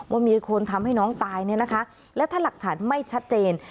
ว่ามีคนทำให้น้องตายแล้วถ้าหลักฐานไม่ชัดเจน